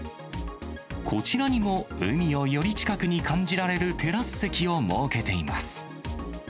こちらにも海をより近くに感じられるテラス席を設けています。